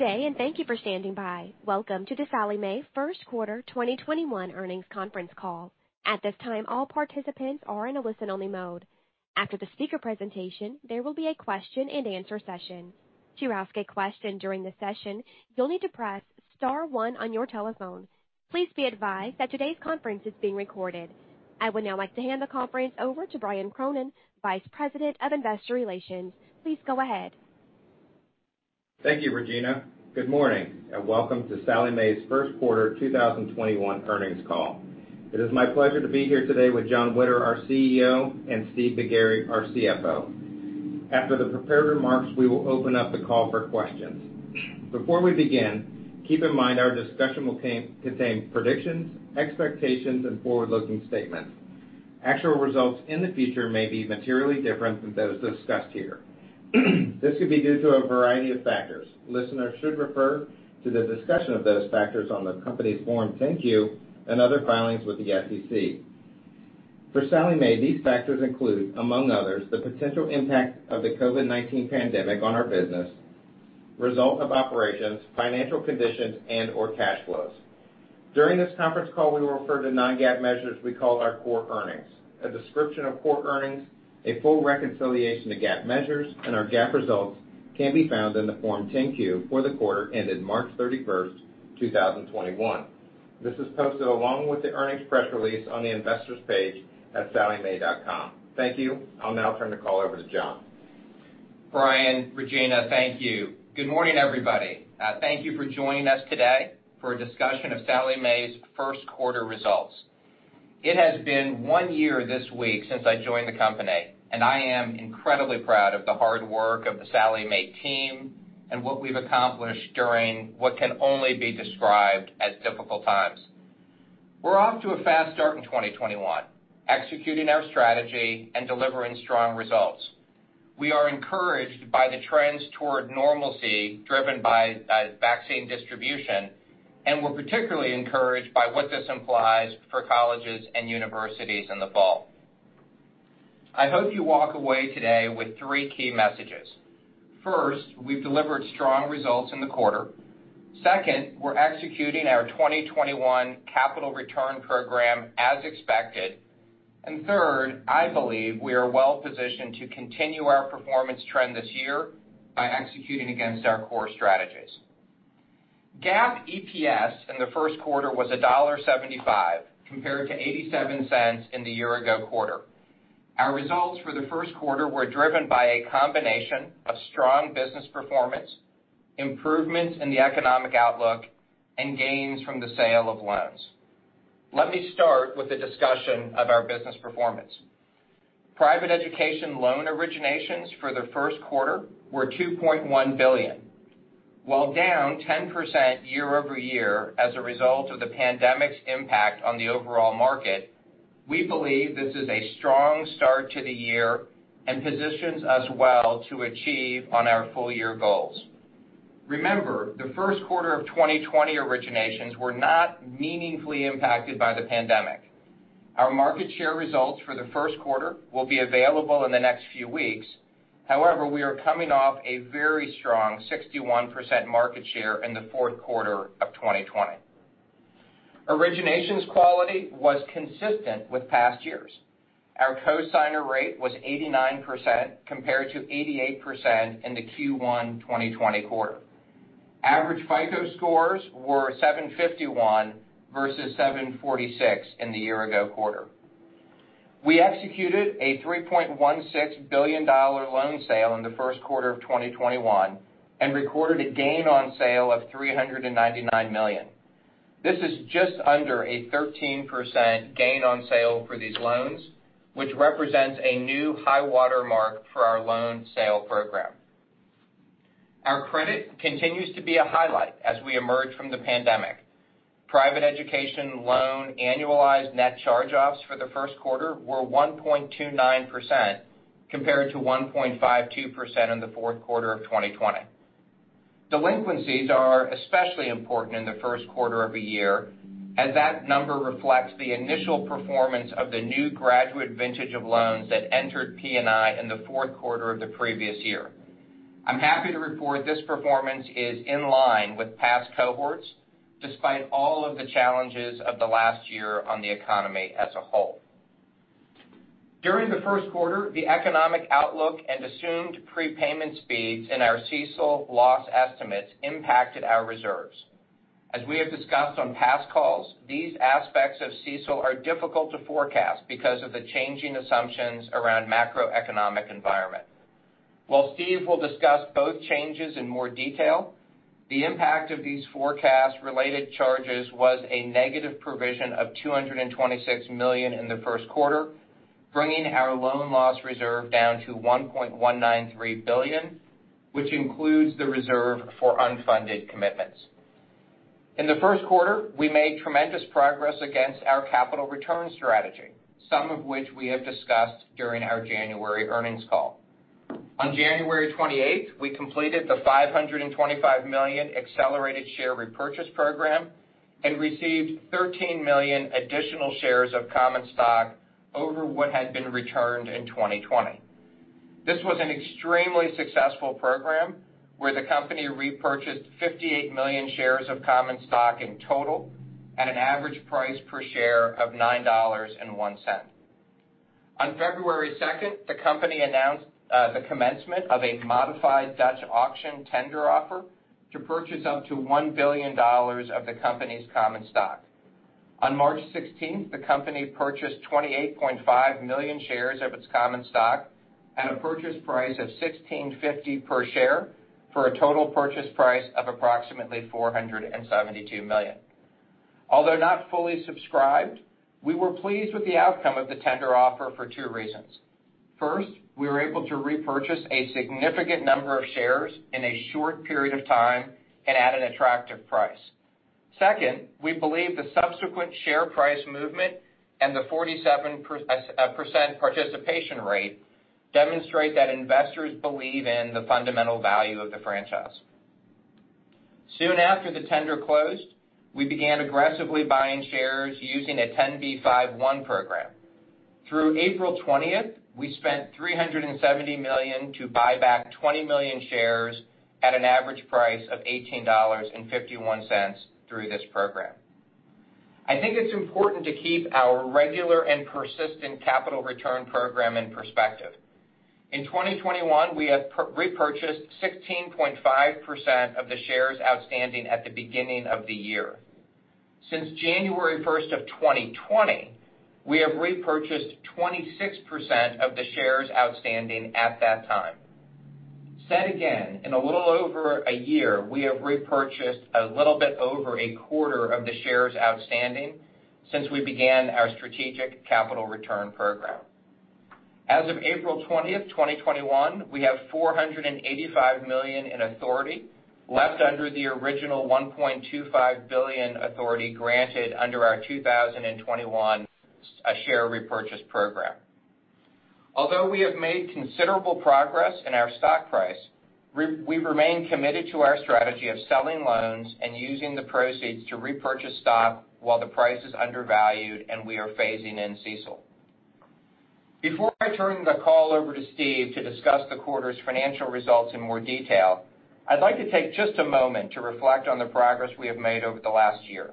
Today, thank you for standing by. Welcome to the Sallie Mae first quarter 2021 earnings conference call. At this time, all participants are in a listen-only mode. After the speaker presentation, there will be a question and answer session. To ask a question during the session, you'll need to press star one on your telephone. Please be advised that today's conference is being recorded. I would now like to hand the conference over to Brian Cronin, Vice President of Investor Relations. Please go ahead. Thank you, Regina. Good morning, and welcome to Sallie Mae's first quarter 2021 earnings call. It is my pleasure to be here today with Jon Witter, our CEO, and Steve McGarry, our CFO. After the prepared remarks, we will open up the call for questions. Before we begin, keep in mind our discussion will contain predictions, expectations, and forward-looking statements. Actual results in the future may be materially different than those discussed here. This could be due to a variety of factors. Listeners should refer to the discussion of those factors on the company's Form 10-Q and other filings with the SEC. For Sallie Mae, these factors include, among others, the potential impact of the COVID-19 pandemic on our business, result of operations, financial conditions, and/or cash flows. During this conference call, we will refer to non-GAAP measures we call our core earnings. A description of core earnings, a full reconciliation to GAAP measures, and our GAAP results can be found in the Form 10-Q for the quarter ended March 31st, 2021. This is posted along with the earnings press release on the investors page at salliemae.com. Thank you. I'll now turn the call over to Jon. Brian, Regina, thank you. Good morning, everybody. Thank you for joining us today for a discussion of Sallie Mae's first quarter results. It has been one year this week since I joined the company, and I am incredibly proud of the hard work of the Sallie Mae team and what we've accomplished during what can only be described as difficult times. We're off to a fast start in 2021, executing our strategy and delivering strong results. We are encouraged by the trends toward normalcy driven by vaccine distribution, and we're particularly encouraged by what this implies for colleges and universities in the fall. I hope you walk away today with three key messages. First, we've delivered strong results in the quarter. Second, we're executing our 2021 capital return program as expected. Third, I believe we are well-positioned to continue our performance trend this year by executing against our core strategies. GAAP EPS in the first quarter was $1.75, compared to $0.87 in the year-ago quarter. Our results for the first quarter were driven by a combination of strong business performance, improvements in the economic outlook, and gains from the sale of loans. Let me start with a discussion of our business performance. Private education loan originations for the first quarter were $2.1 billion. While down 10% year-over-year as a result of the pandemic's impact on the overall market, we believe this is a strong start to the year and positions us well to achieve on our full-year goals. Remember, the first quarter of 2020 originations were not meaningfully impacted by the pandemic. Our market share results for the first quarter will be available in the next few weeks. We are coming off a very strong 61% market share in the fourth quarter of 2020. Originations quality was consistent with past years. Our cosigner rate was 89% compared to 88% in the Q1 2020 quarter. Average FICO scores were 751 versus 746 in the year-ago quarter. We executed a $3.16 billion loan sale in the first quarter of 2021 and recorded a gain on sale of $399 million. This is just under a 13% gain on sale for these loans, which represents a new high water mark for our loan sale program. Our credit continues to be a highlight as we emerge from the pandemic. Private education loan annualized net charge-offs for the first quarter were 1.29% compared to 1.52% in the fourth quarter of 2020. Delinquencies are especially important in the first quarter of a year, as that number reflects the initial performance of the new graduate vintage of loans that entered P&I in the fourth quarter of the previous year. I'm happy to report this performance is in line with past cohorts, despite all of the challenges of the last year on the economy as a whole. During the first quarter, the economic outlook and assumed prepayment speeds in our CECL loss estimates impacted our reserves. As we have discussed on past calls, these aspects of CECL are difficult to forecast because of the changing assumptions around macroeconomic environment. While Steve will discuss both changes in more detail, the impact of these forecast-related charges was a negative provision of $226 million in the first quarter, bringing our loan loss reserve down to $1.193 billion, which includes the reserve for unfunded commitments. In the first quarter, we made tremendous progress against our capital return strategy, some of which we have discussed during our January earnings call. On January 28th, we completed the $525 million accelerated share repurchase program and received $13 million additional shares of common stock over what had been returned in 2020. This was an extremely successful program where the company repurchased $58 million shares of common stock in total at an average price per share of $9.01. On February 2nd, the company announced the commencement of a modified Dutch auction tender offer to purchase up to $1 billion of the company's common stock. On March 16th, the company purchased $28.5 million shares of its common stock at a purchase price of $16.50 per share for a total purchase price of approximately $472 million. Although not fully subscribed, we were pleased with the outcome of the tender offer for two reasons. First, we were able to repurchase a significant number of shares in a short period of time and at an attractive price. Second, we believe the subsequent share price movement and the 47% participation rate demonstrate that investors believe in the fundamental value of the franchise. Soon after the tender closed, we began aggressively buying shares using a 10b5-1 program. Through April 20th, we spent $370 million to buy back 20 million shares at an average price of $18.51 through this program. I think it's important to keep our regular and persistent capital return program in perspective. In 2021, we have repurchased 16.5% of the shares outstanding at the beginning of the year. Since January 1st of 2020, we have repurchased 26% of the shares outstanding at that time. Said again, in a little over a year, we have repurchased a little bit over 1/4 of the shares outstanding since we began our strategic capital return program. As of April 20th, 2021, we have $485 million in authority left under the original $1.25 billion authority granted under our 2021 share repurchase program. Although we have made considerable progress in our stock price, we remain committed to our strategy of selling loans and using the proceeds to repurchase stock while the price is undervalued and we are phasing in CECL. Before I turn the call over to Steve to discuss the quarter's financial results in more detail, I'd like to take just a moment to reflect on the progress we have made over the last year.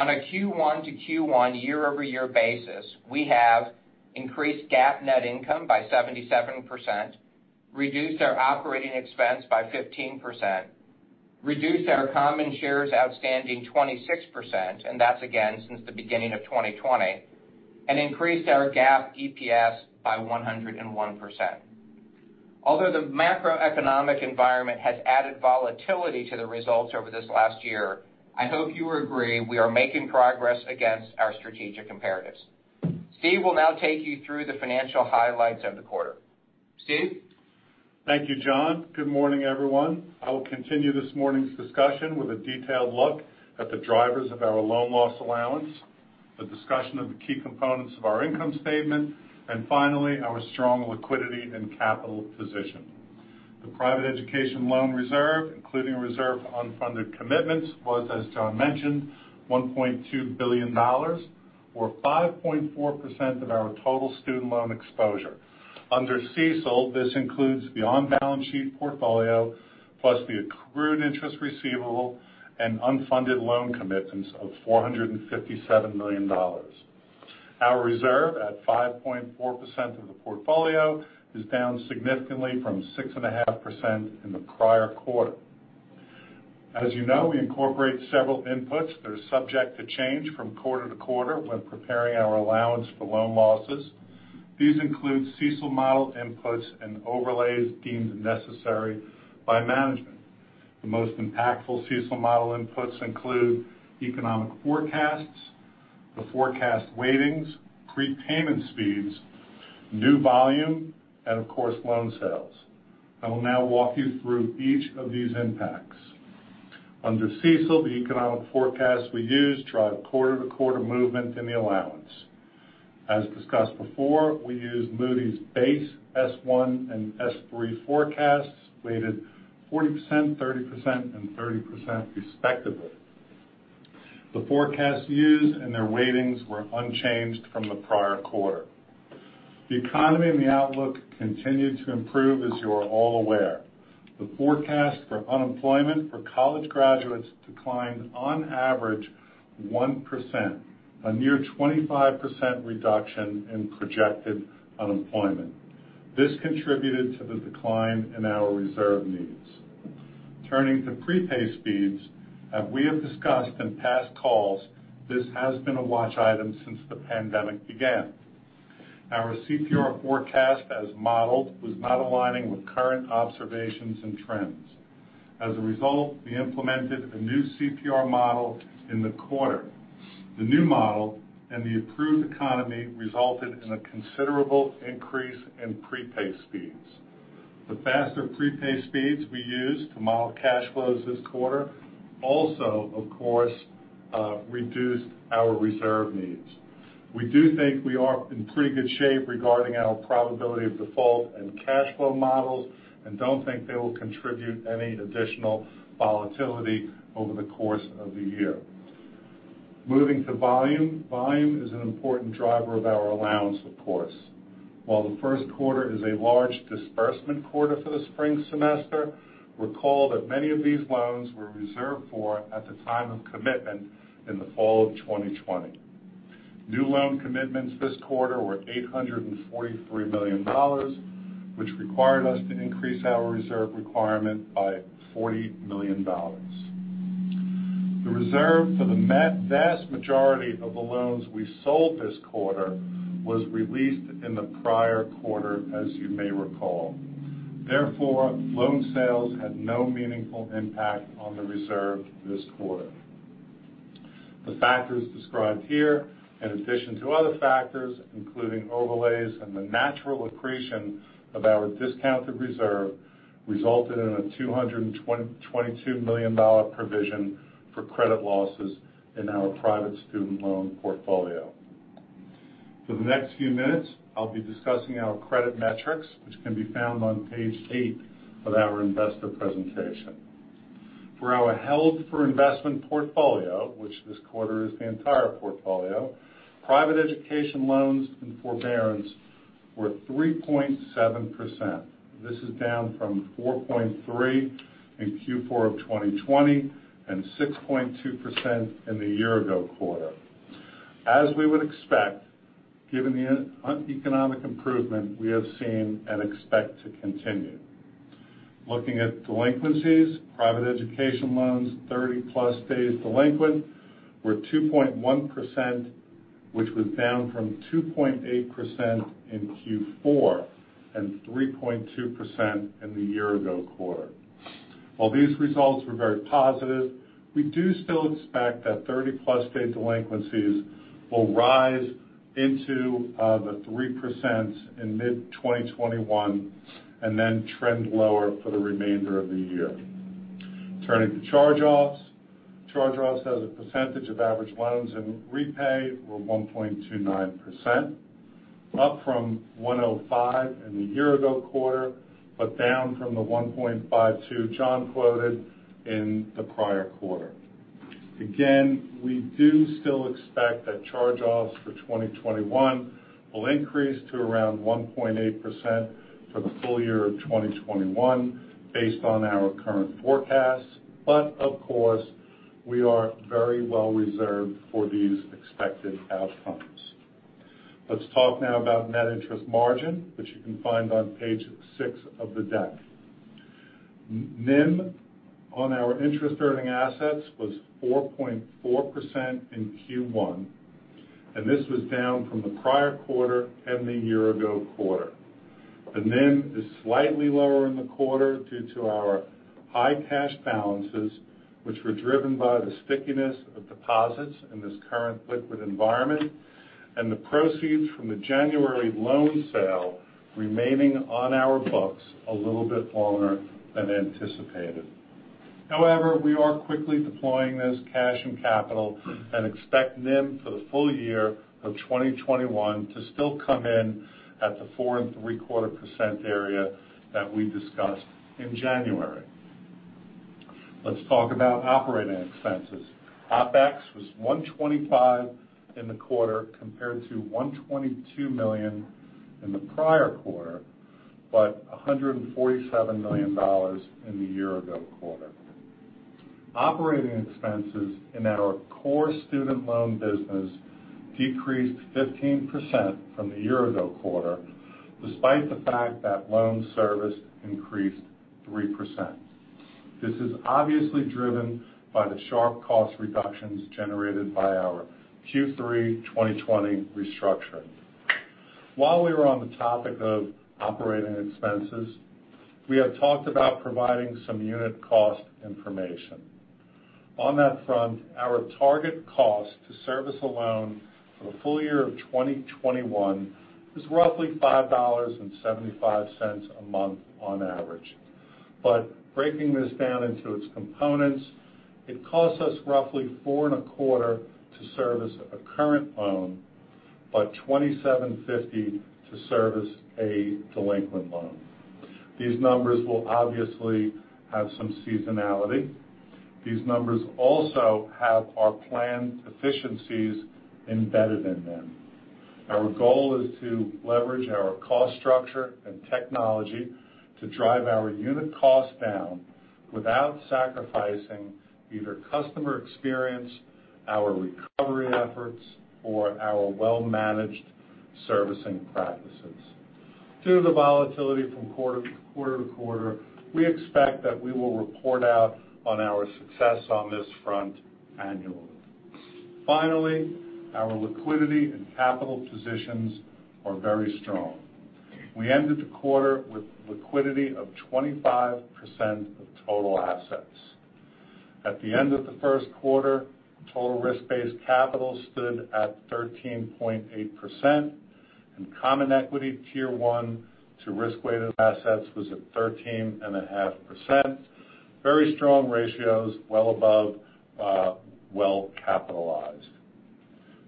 On a Q1 to Q1 year-over-year basis, we have increased GAAP net income by 77%, reduced our operating expense by 15%, reduced our common shares outstanding 26%, and that's again since the beginning of 2020, and increased our GAAP EPS by 101%. Although the macroeconomic environment has added volatility to the results over this last year, I hope you agree we are making progress against our strategic imperatives. Steve will now take you through the financial highlights of the quarter. Steve? Thank you, Jon. Good morning, everyone. I will continue this morning's discussion with a detailed look at the drivers of our loan loss allowance, a discussion of the key components of our income statement, and finally, our strong liquidity and capital position. The private education loan reserve, including reserve unfunded commitments, was, as Jon mentioned, $1.2 billion or 5.4% of our total student loan exposure. Under CECL, this includes the on-balance sheet portfolio, plus the accrued interest receivable and unfunded loan commitments of $457 million. Our reserve at 5.4% of the portfolio is down significantly from 6.5% in the prior quarter. As you know, we incorporate several inputs that are subject to change from quarter to quarter when preparing our allowance for loan losses. These include CECL model inputs and overlays deemed necessary by management. The most impactful CECL model inputs include economic forecasts, the forecast weightings, prepayment speeds, new volume, and of course, loan sales. I will now walk you through each of these impacts. Under CECL, the economic forecasts we use drive quarter-to-quarter movement in the allowance. As discussed before, we use Moody's base S1 and S3 forecasts, weighted 40%, 30%, and 30% respectively. The forecasts used and their weightings were unchanged from the prior quarter. The economy and the outlook continued to improve as you're all aware. The forecast for unemployment for college graduates declined on average 1%, a near 25% reduction in projected unemployment. This contributed to the decline in our reserve needs. Turning to prepay speeds, as we have discussed in past calls, this has been a watch item since the pandemic began. Our CPR forecast, as modeled, was not aligning with current observations and trends. As a result, we implemented a new CPR model in the quarter. The new model and the improved economy resulted in a considerable increase in prepay speeds. The faster prepay speeds we used to model cash flows this quarter also, of course, reduced our reserve needs. We do think we are in pretty good shape regarding our probability of default and cash flow models and don't think they will contribute any additional volatility over the course of the year. Moving to volume. Volume is an important driver of our allowance, of course. While the first quarter is a large disbursement quarter for the spring semester, recall that many of these loans were reserved for at the time of commitment in the fall of 2020. New loan commitments this quarter were $843 million, which required us to increase our reserve requirement by $40 million. The reserve for the vast majority of the loans we sold this quarter was released in the prior quarter, as you may recall. Loan sales had no meaningful impact on the reserve this quarter. The factors described here, in addition to other factors, including overlays and the natural accretion of our discounted reserve, resulted in a $222 million provision for credit losses in our private student loan portfolio. For the next few minutes, I'll be discussing our credit metrics, which can be found on page eight of our investor presentation. For our held for investment portfolio, which this quarter is the entire portfolio, private education loans and forbearance were 3.7%. This is down from 4.3% in Q4 of 2020, and 6.2% in the year-ago quarter. As we would expect, given the economic improvement we have seen and expect to continue. Looking at delinquencies, private education loans 30+ days delinquent were 2.1%, which was down from 2.8% in Q4, and 3.2% in the year-ago quarter. While these results were very positive, we do still expect that 30-plus day delinquencies will rise into the 3% in mid-2021, and then trend lower for the remainder of the year. Turning to charge-offs. Charge-offs as a percentage of average loans in repay were 1.29%, up from 1.05% in the year-ago quarter, but down from the 1.52% Jon quoted in the prior quarter. Again, we do still expect that charge-offs for 2021 will increase to around 1.8% for the full year of 2021 based on our current forecasts, but of course, we are very well reserved for these expected outcomes. Let's talk now about net interest margin, which you can find on page six of the deck. NIM on our interest-earning assets was 4.4% in Q1. This was down from the prior quarter and the year-ago quarter. The NIM is slightly lower in the quarter due to our high cash balances, which were driven by the stickiness of deposits in this current liquid environment and the proceeds from the January loan sale remaining on our books a little bit longer than anticipated. However, we are quickly deploying this cash and capital and expect NIM for the full year of 2021 to still come in at the 4.75% area that we discussed in January. Let's talk about operating expenses. OpEx was $125 million in the quarter compared to $122 million in the prior quarter, but $147 million in the year-ago quarter. Operating expenses in our core student loan business decreased 15% from the year-ago quarter, despite the fact that loan service increased 3%. This is obviously driven by the sharp cost reductions generated by our Q3 2020 restructuring. While we are on the topic of operating expenses, we have talked about providing some unit cost information. On that front, our target cost to service a loan for the full year of 2021 is roughly $5.75 a month on average. Breaking this down into its components, it costs us roughly $4.25 to service a current loan, but $27.50 to service a delinquent loan. These numbers will obviously have some seasonality. These numbers also have our planned efficiencies embedded in them. Our goal is to leverage our cost structure and technology to drive our unit cost down without sacrificing either customer experience, our recovery efforts, or our well-managed servicing practices. Due to the volatility from quarter to quarter, we expect that we will report out on our success on this front annually. Finally, our liquidity and capital positions are very strong. We ended the quarter with liquidity of 25% of total assets. At the end of the first quarter, total risk-based capital stood at 13.8%, and common equity tier one to risk-weighted assets was at 13.5%. Very strong ratios, well above well-capitalized.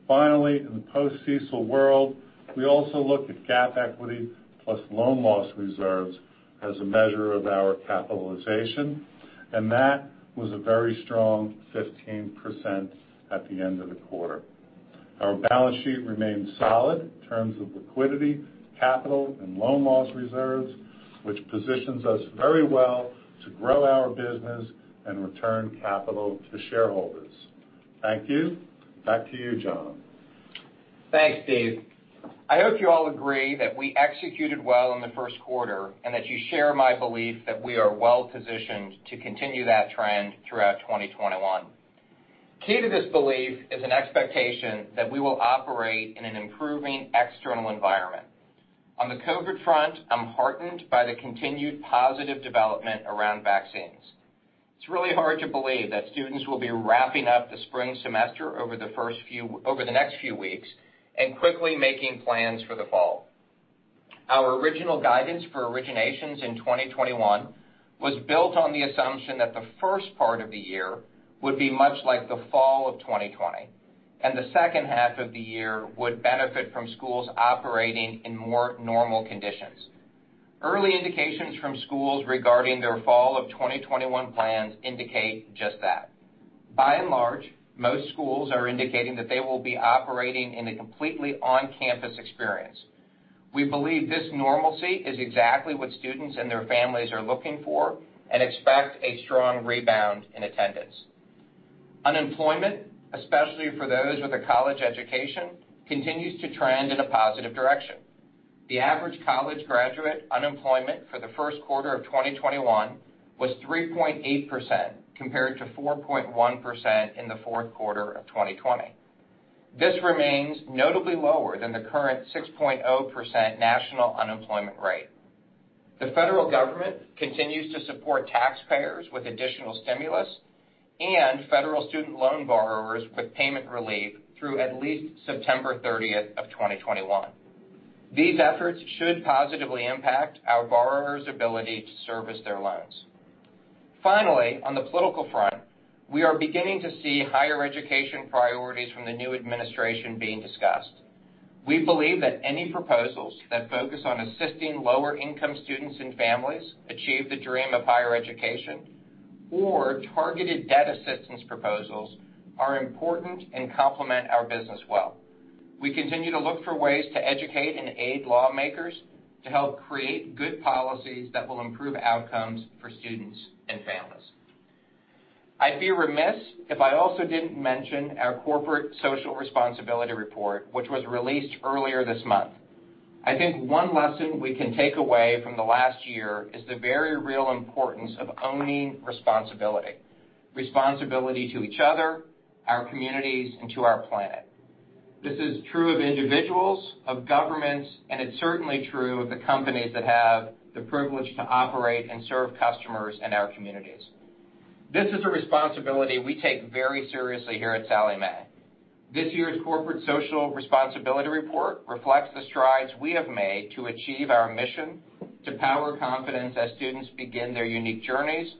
Finally, in the post-CECL world, we also look at GAAP equity plus loan loss reserves as a measure of our capitalization, and that was a very strong 15% at the end of the quarter. Our balance sheet remains solid in terms of liquidity, capital, and loan loss reserves, which positions us very well to grow our business and return capital to shareholders. Thank you. Back to you, Jon. Thanks, Steve. I hope you all agree that we executed well in the first quarter, and that you share my belief that we are well-positioned to continue that trend throughout 2021. Key to this belief is an expectation that we will operate in an improving external environment. On the COVID front, I'm heartened by the continued positive development around vaccines. It's really hard to believe that students will be wrapping up the spring semester over the next few weeks, and quickly making plans for the fall. Our original guidance for originations in 2021 was built on the assumption that the first part of the year would be much like the fall of 2020, and the second half of the year would benefit from schools operating in more normal conditions. Early indications from schools regarding their fall of 2021 plans indicate just that. By and large, most schools are indicating that they will be operating in a completely on-campus experience. We believe this normalcy is exactly what students and their families are looking for and expect a strong rebound in attendance. Unemployment, especially for those with a college education, continues to trend in a positive direction. The average college graduate unemployment for the first quarter of 2021 was 3.8%, compared to 4.1% in the fourth quarter of 2020. This remains notably lower than the current 6.0% national unemployment rate. The federal government continues to support taxpayers with additional stimulus and federal student loan borrowers with payment relief through at least September 30th, 2021. These efforts should positively impact our borrowers' ability to service their loans. Finally, on the political front, we are beginning to see higher education priorities from the new administration being discussed. We believe that any proposals that focus on assisting lower income students and families achieve the dream of higher education or targeted debt assistance proposals are important and complement our business well. We continue to look for ways to educate and aid lawmakers to help create good policies that will improve outcomes for students and families. I'd be remiss if I also didn't mention our corporate social responsibility report, which was released earlier this month. I think one lesson we can take away from the last year is the very real importance of owning responsibility. Responsibility to each other, our communities, and to our planet. This is true of individuals, of governments, and it's certainly true of the companies that have the privilege to operate and serve customers in our communities. This is a responsibility we take very seriously here at Sallie Mae. This year's corporate social responsibility report reflects the strides we have made to achieve our mission to power confidence as students begin their unique journeys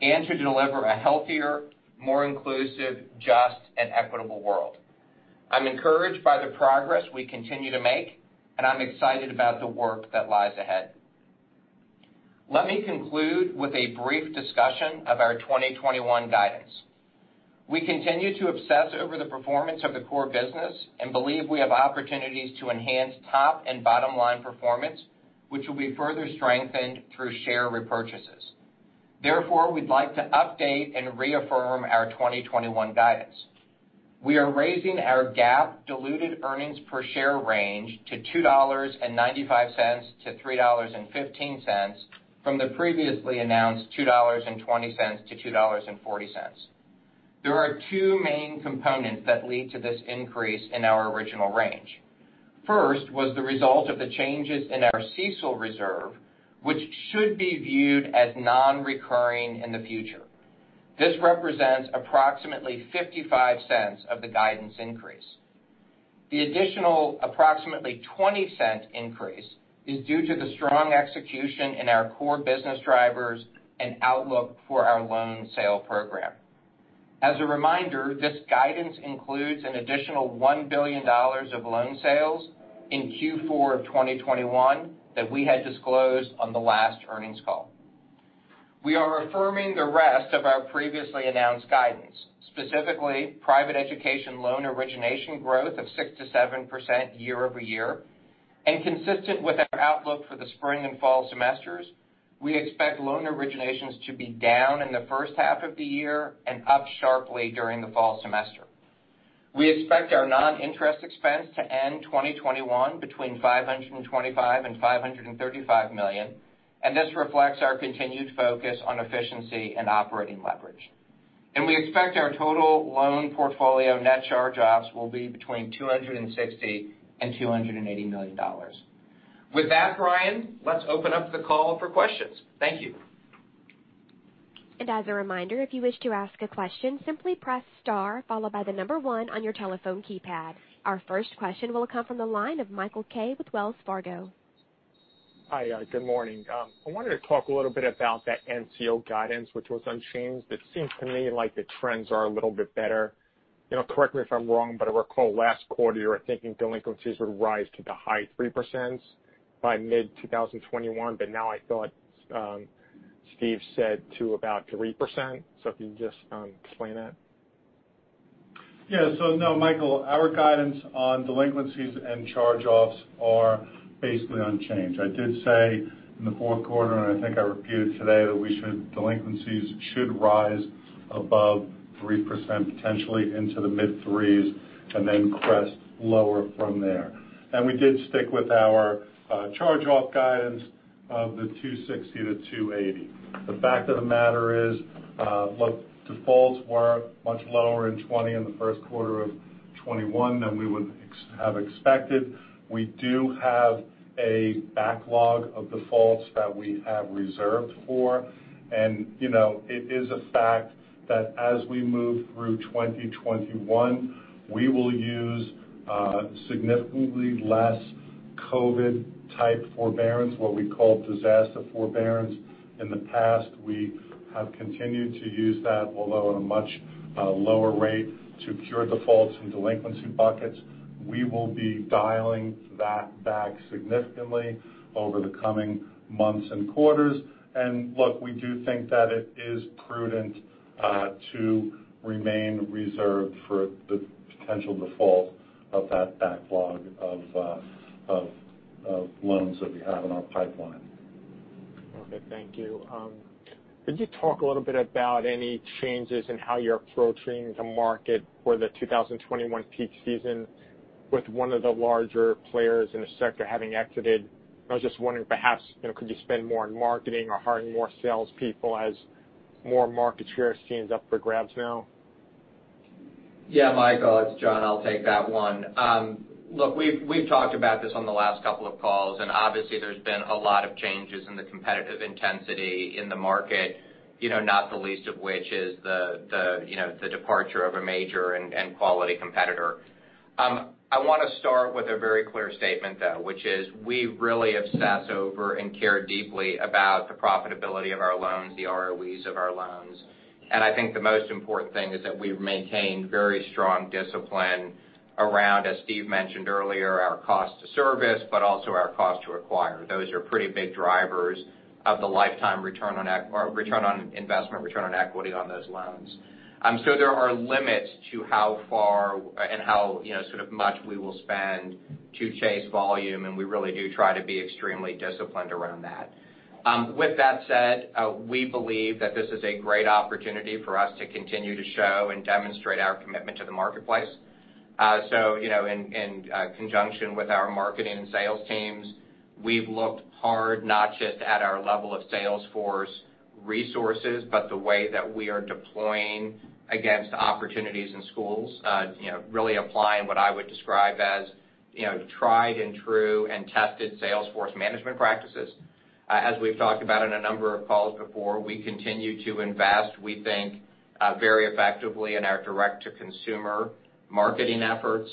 and to deliver a healthier, more inclusive, just, and equitable world. I'm encouraged by the progress we continue to make, and I'm excited about the work that lies ahead. Let me conclude with a brief discussion of our 2021 guidance. We continue to obsess over the performance of the core business and believe we have opportunities to enhance top and bottom-line performance, which will be further strengthened through share repurchases. We'd like to update and reaffirm our 2021 guidance. We are raising our GAAP diluted earnings per share range to $2.95-$3.15, from the previously announced $2.20-$2.40. There are two main components that lead to this increase in our original range. First was the result of the changes in our CECL reserve, which should be viewed as non-recurring in the future. This represents approximately $0.55 of the guidance increase. The additional approximately $0.20 increase is due to the strong execution in our core business drivers and outlook for our loan sale program. As a reminder, this guidance includes an additional $1 billion of loan sales in Q4 of 2021 that we had disclosed on the last earnings call. We are affirming the rest of our previously announced guidance, specifically private education loan origination growth of 6%-7% year-over-year. Consistent with our outlook for the spring and fall semesters, we expect loan originations to be down in the first half of the year and up sharply during the fall semester. We expect our non-interest expense to end 2021 between $525 million and $535 million, and this reflects our continued focus on efficiency and operating leverage. We expect our total loan portfolio net charge-offs will be between $260 million and $280 million. With that, Brian, let's open up the call for questions. Thank you. As a reminder, if you wish to ask a question, simply press star followed by the number one on your telephone keypad. Our first question will come from the line of Michael Kaye with Wells Fargo. Hi. Good morning. I wanted to talk a little bit about that NCO guidance, which was unchanged. It seems to me like the trends are a little bit better. Correct me if I'm wrong, but I recall last quarter you were thinking delinquencies would rise to the high 3% by mid-2021, but now I thought Steve said to about 3%. Can you just explain that? Yeah. No, Michael, our guidance on delinquencies and charge-offs are basically unchanged. I did say in the fourth quarter, and I think I repeated today, that delinquencies should rise above 3%, potentially into the mid-3s, and then crest lower from there. We did stick with our charge-off guidance of the 2.60%-2.80%. The fact of the matter is, defaults were much lower in 2020, in the first quarter of 2021, than we would have expected. We do have a backlog of defaults that we have reserved for. It is a fact that as we move through 2021, we will use significantly less COVID-19-type forbearance, what we call disaster forbearance. In the past, we have continued to use that, although at a much lower rate, to cure defaults in delinquency buckets. We will be dialing that back significantly over the coming months and quarters. Look, we do think that it is prudent to remain reserved for the potential default of that backlog of loans that we have in our pipeline. Okay. Thank you. Could you talk a little bit about any changes in how you're approaching the market for the 2021 peak season with one of the larger players in the sector having exited? I was just wondering, perhaps, could you spend more on marketing or hiring more salespeople as more market share seems up for grabs now? Yeah, Michael, it's Jon. I'll take that one. Look, we've talked about this on the last couple of calls. Obviously there's been a lot of changes in the competitive intensity in the market. Not the least of which is the departure of a major and quality competitor. I want to start with a very clear statement, though, which is we really obsess over and care deeply about the profitability of our loans, the ROEs of our loans. I think the most important thing is that we've maintained very strong discipline around, as Steve mentioned earlier, our cost to service, but also our cost to acquire. Those are pretty big drivers of the lifetime return on investment, return on equity on those loans. There are limits to how far and how much we will spend to chase volume, and we really do try to be extremely disciplined around that. With that said, we believe that this is a great opportunity for us to continue to show and demonstrate our commitment to the marketplace. In conjunction with our marketing and sales teams, we've looked hard not just at our level of sales force resources, but the way that we are deploying against opportunities in schools. Really applying what I would describe as tried and true and tested sales force management practices. As we've talked about in a number of calls before, we continue to invest, we think, very effectively in our direct-to-consumer marketing efforts.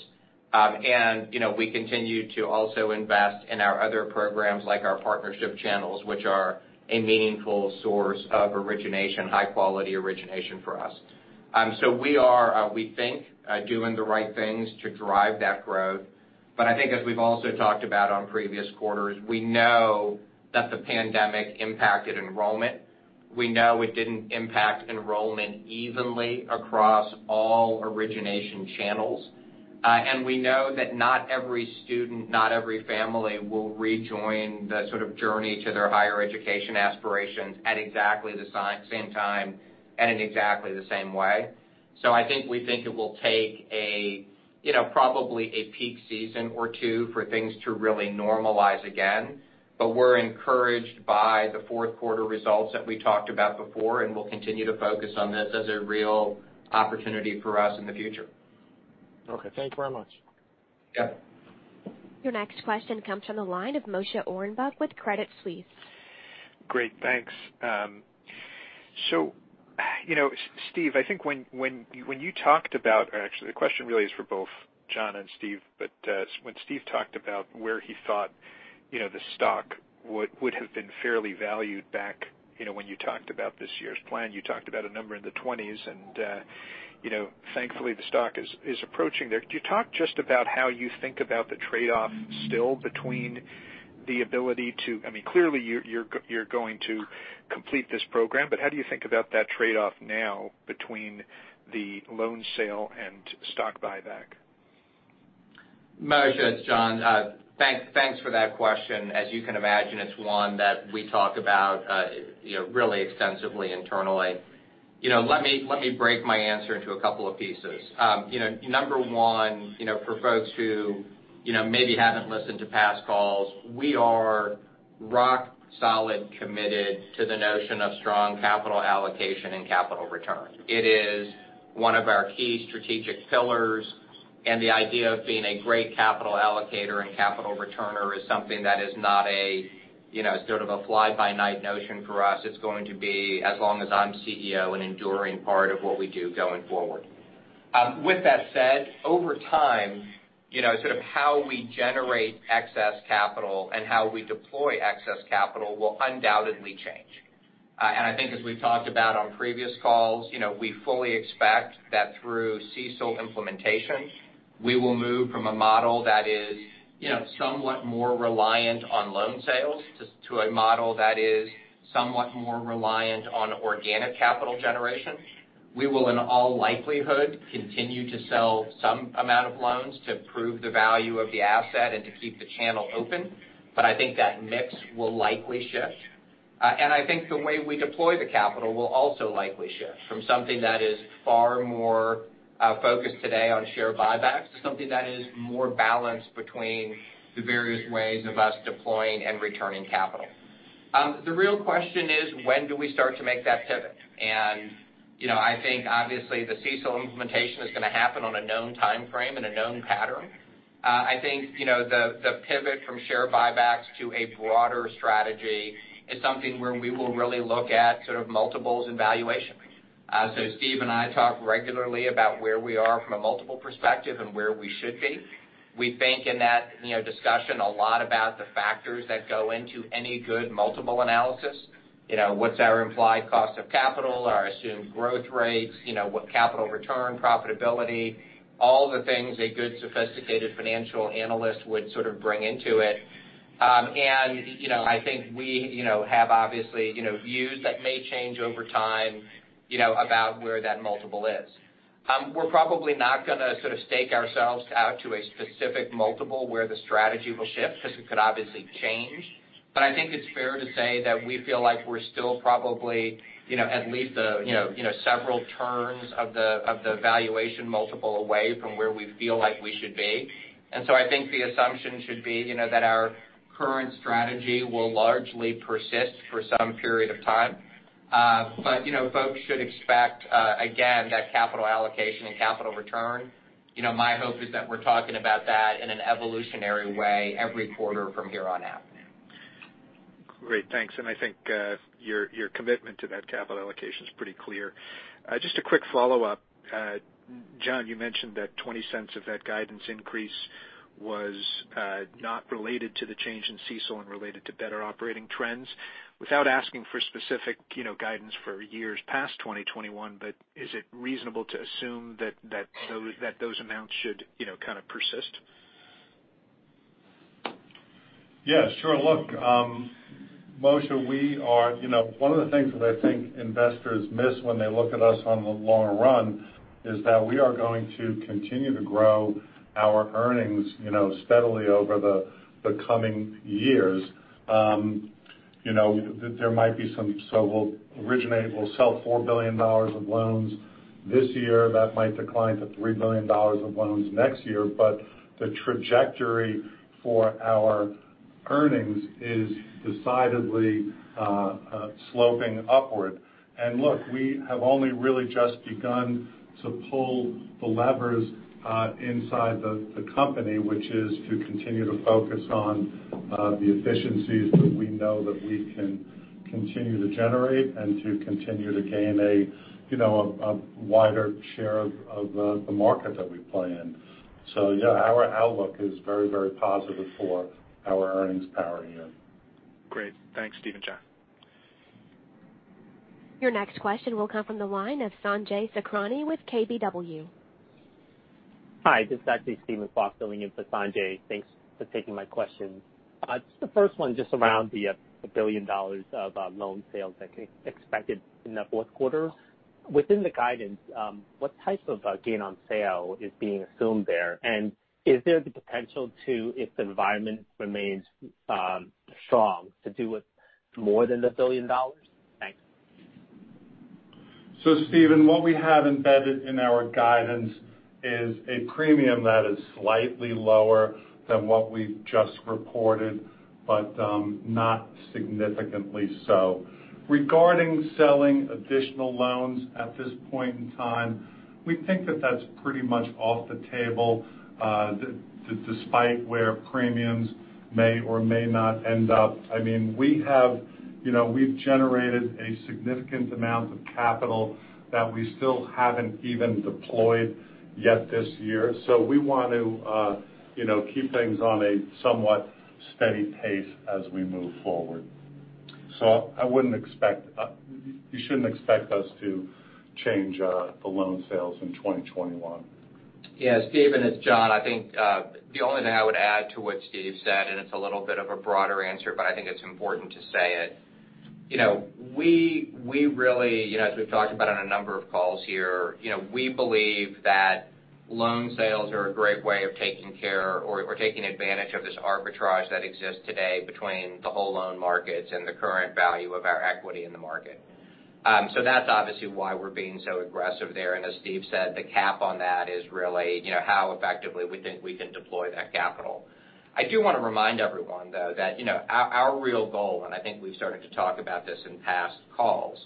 We continue to also invest in our other programs, like our partnership channels, which are a meaningful source of origination, high-quality origination for us. We are, we think, doing the right things to drive that growth. I think as we've also talked about on previous quarters, we know that the pandemic impacted enrollment. We know it didn't impact enrollment evenly across all origination channels. We know that not every student, not every family will rejoin the sort of journey to their higher education aspirations at exactly the same time and in exactly the same way. I think we think it will take probably a peak season or two for things to really normalize again. We're encouraged by the fourth quarter results that we talked about before, and we'll continue to focus on this as a real opportunity for us in the future. Okay. Thank you very much. Yep. Your next question comes from the line of Moshe Orenbuch with Credit Suisse. Great. Thanks. Steve, I think when you talked about, or actually the question really is for both Jon and Steve. When Steve talked about where he thought the stock would have been fairly valued back when you talked about this year's plan. You talked about a number in the 20s, and thankfully the stock is approaching there. Could you talk just about how you think about the trade-off still between the ability to, I mean, clearly you're going to complete this program, but how do you think about that trade-off now between the loan sale and stock buyback? Moshe, it's Jon. Thanks for that question. As you can imagine, it's one that we talk about really extensively internally. Let me break my answer into a couple of pieces. Number one, for folks who maybe haven't listened to past calls, we are rock solid committed to the notion of strong capital allocation and capital return. It is one of our key strategic pillars, and the idea of being a great capital allocator and capital returner is something that is not a sort of a fly-by-night notion for us. It's going to be, as long as I'm CEO, an enduring part of what we do going forward. With that said, over time, sort of how we generate excess capital and how we deploy excess capital will undoubtedly change. I think as we've talked about on previous calls, we fully expect that through CECL implementation, we will move from a model that is somewhat more reliant on loan sales to a model that is somewhat more reliant on organic capital generation. We will in all likelihood continue to sell some amount of loans to prove the value of the asset and to keep the channel open. I think that mix will likely shift. I think the way we deploy the capital will also likely shift from something that is far more focused today on share buybacks to something that is more balanced between the various ways of us deploying and returning capital. The real question is when do we start to make that pivot? I think obviously the CECL implementation is going to happen on a known timeframe and a known pattern. I think the pivot from share buybacks to a broader strategy is something where we will really look at sort of multiples and valuations. Steve and I talk regularly about where we are from a multiple perspective and where we should be. We think in that discussion a lot about the factors that go into any good multiple analysis. What's our implied cost of capital, our assumed growth rates, what capital return profitability, all the things a good sophisticated financial analyst would sort of bring into it. I think we have obviously views that may change over time about where that multiple is. We're probably not going to sort of stake ourselves out to a specific multiple where the strategy will shift because it could obviously change. I think it's fair to say that we feel like we're still probably at least several turns of the valuation multiple away from where we feel like we should be. I think the assumption should be that our current strategy will largely persist for some period of time. Folks should expect again that capital allocation and capital return. My hope is that we're talking about that in an evolutionary way every quarter from here on out. Great. Thanks. I think your commitment to that capital allocation is pretty clear. Just a quick follow-up. Jon, you mentioned that $0.20 of that guidance increase was not related to the change in CECL and related to better operating trends. Without asking for specific guidance for years past 2021, is it reasonable to assume that those amounts should kind of persist? Yeah, sure. Look, Moshe, one of the things that I think investors miss when they look at us on the long run is that we are going to continue to grow our earnings steadily over the coming years. There might be, we'll originate, we'll sell $4 billion of loans this year. That might decline to $3 billion of loans next year, the trajectory for our earnings is decidedly sloping upward. Look, we have only really just begun to pull the levers inside the company, which is to continue to focus on the efficiencies that we know that we can continue to generate and to continue to gain a wider share of the market that we play in. Yeah, our outlook is very positive for our earnings powering in. Great. Thanks, Steve and Jon. Your next question will come from the line of Sanjay Sakhrani with KBW. Hi, this is actually Steven Kwok filling in for Sanjay. Thanks for taking my question. Just the first one, just around the $1 billion of loan sales that you expected in the fourth quarter. Within the guidance, what type of gain on sale is being assumed there? Is there the potential to, if the environment remains strong, to do more than $1 billion? Thanks. Steven, what we have embedded in our guidance is a premium that is slightly lower than what we've just reported, but not significantly so. Regarding selling additional loans at this point in time, we think that that's pretty much off the table, despite where premiums may or may not end up. We've generated a significant amount of capital that we still haven't even deployed yet this year. We want to keep things on a somewhat steady pace as we move forward. You shouldn't expect us to change the loan sales in 2021. Steven, it's Jon. I think the only thing I would add to what Steve said, it's a little bit of a broader answer, but I think it's important to say it. As we've talked about on a number of calls here, we believe that loan sales are a great way of taking care or taking advantage of this arbitrage that exists today between the whole loan markets and the current value of our equity in the market. That's obviously why we're being so aggressive there. As Steve said, the cap on that is really how effectively we think we can deploy that capital. I do want to remind everyone, though, that our real goal, and I think we've started to talk about this in past calls,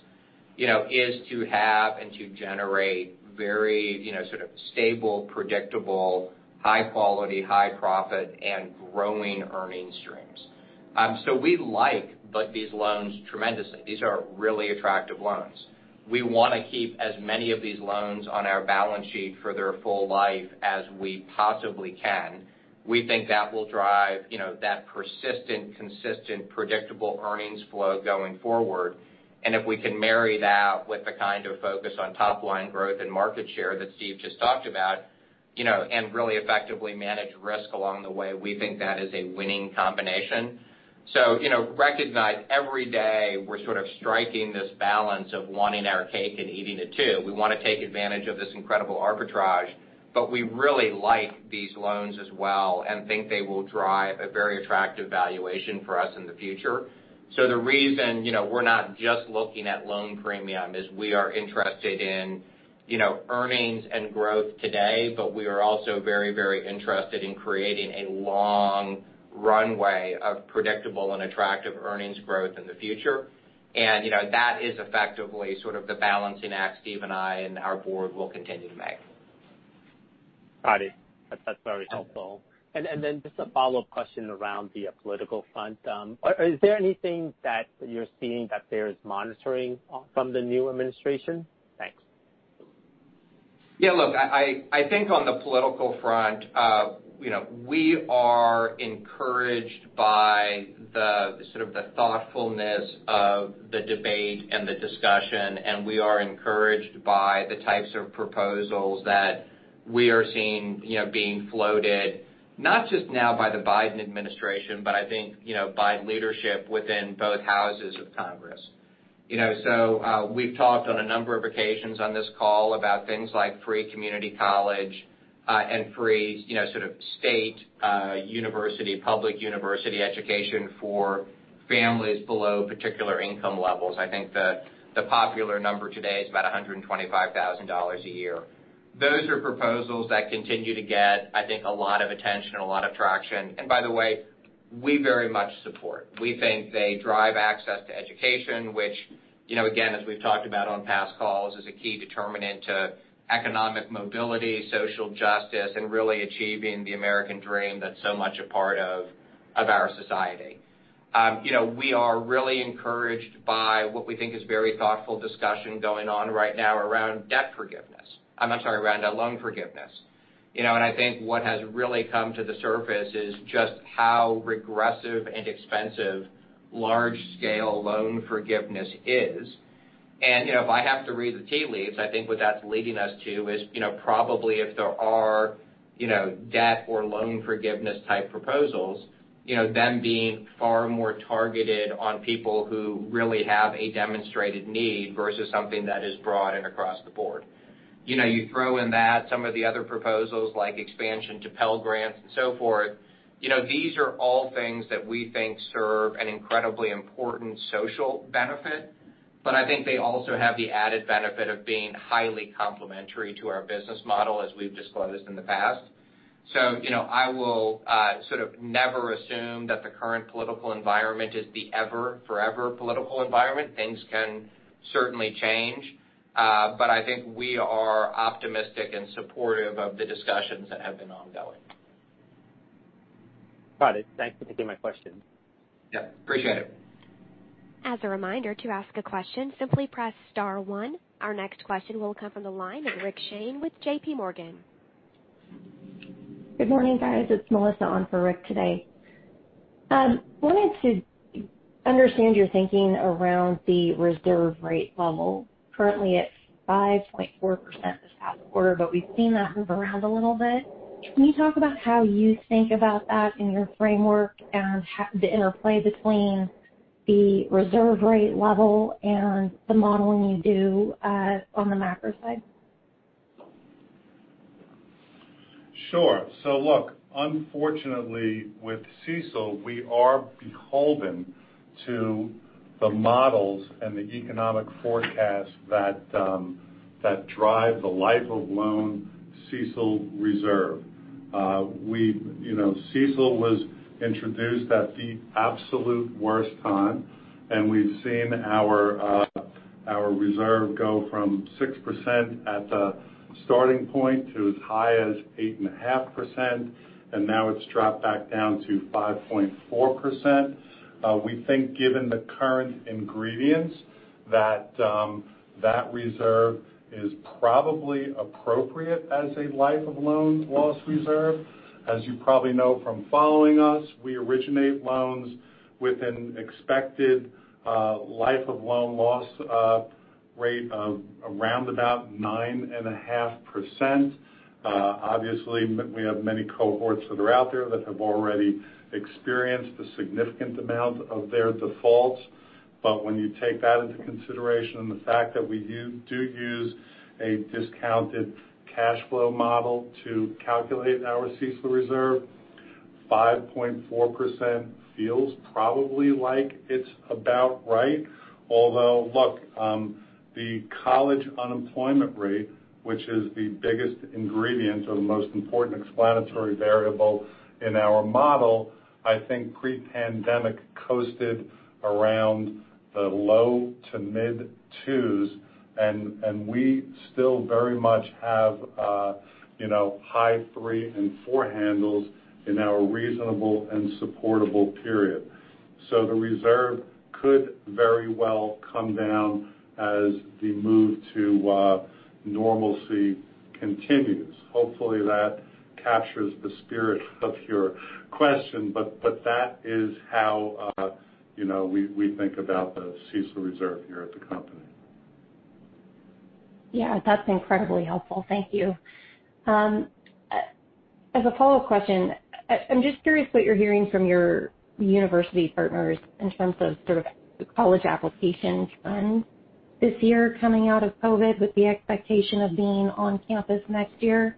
is to have and to generate very sort of stable, predictable, high quality, high profit, and growing earnings streams. We like these loans tremendously. These are really attractive loans. We want to keep as many of these loans on our balance sheet for their full life as we possibly can. We think that will drive that persistent, consistent, predictable earnings flow going forward. If we can marry that with the kind of focus on top-line growth and market share that Steve just talked about, and really effectively manage risk along the way, we think that is a winning combination. Recognize every day we're sort of striking this balance of wanting our cake and eating it too. We want to take advantage of this incredible arbitrage, but we really like these loans as well and think they will drive a very attractive valuation for us in the future. The reason we're not just looking at loan premium is we are interested in earnings and growth today, but we are also very interested in creating a long runway of predictable and attractive earnings growth in the future. That is effectively sort of the balancing act Steve and I and our board will continue to make. Got it. That's very helpful. Just a follow-up question around the political front. Is there anything that you're seeing that there's monitoring from the new administration? Thanks. Yeah, look, I think on the political front, we are encouraged by the thoughtfulness of the debate and the discussion, and we are encouraged by the types of proposals that we are seeing being floated, not just now by the Biden administration, but I think by leadership within both houses of Congress. We've talked on a number of occasions on this call about things like free community college and free state university, public university education for families below particular income levels. I think the popular number today is about $125,000 a year. Those are proposals that continue to get, I think, a lot of attention, a lot of traction. By the way, we very much support. We think they drive access to education, which, again, as we've talked about on past calls, is a key determinant to economic mobility, social justice, and really achieving the American dream that's so much a part of our society. We are really encouraged by what we think is very thoughtful discussion going on right now around debt forgiveness. I'm sorry, around loan forgiveness. I think what has really come to the surface is just how regressive and expensive large-scale loan forgiveness is. If I have to read the tea leaves, I think what that's leading us to is probably if there are debt or loan forgiveness type proposals, them being far more targeted on people who really have a demonstrated need versus something that is broad and across the board. You throw in that some of the other proposals like expansion to Pell Grants and so forth, these are all things that we think serve an incredibly important social benefit. I think they also have the added benefit of being highly complementary to our business model as we've disclosed in the past. I will never assume that the current political environment is the forever political environment. Things can certainly change. I think we are optimistic and supportive of the discussions that have been ongoing. Got it. Thanks for taking my question. Yeah. Appreciate it. As a reminder, to ask a question, simply press star one. Our next question will come from the line of Rick Shane with JPMorgan. Good morning, guys. It's Melissa on for Rick today. I wanted to understand your thinking around the reserve rate level currently at 5.4% this past quarter, but we've seen that move around a little bit. Can you talk about how you think about that in your framework and the interplay between the reserve rate level and the modeling you do on the macro side? Sure. Look, unfortunately with CECL, we are beholden to the models and the economic forecast that drive the life of loan CECL reserve. CECL was introduced at the absolute worst time, and we've seen our reserve go from 6% at the starting point to as high as 8.5%, and now it's dropped back down to 5.4%. We think given the current ingredients, that reserve is probably appropriate as a life of loan loss reserve. As you probably know from following us, we originate loans with an expected life of loan loss rate of around about 9.5%. Obviously, we have many cohorts that are out there that have already experienced a significant amount of their defaults. When you take that into consideration and the fact that we do use a discounted cash flow model to calculate our CECL reserve, 5.4% feels probably like it's about right. Although, look, the college unemployment rate, which is the biggest ingredient or the most important explanatory variable in our model, I think pre-pandemic coasted around the low to mid twos, and we still very much have high three and four handles in our reasonable and supportable period. The reserve could very well come down as the move to normalcy continues. Hopefully, that captures the spirit of your question, but that is how we think about the CECL reserve here at the company. Yeah. That's incredibly helpful. Thank you. As a follow-up question, I'm just curious what you're hearing from your university partners in terms of sort of college applications trends this year coming out of COVID, with the expectation of being on campus next year.